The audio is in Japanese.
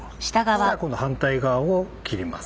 そしたら今度反対側を切ります。